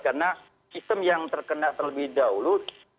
karena sistem yang terkena terlebih dahulu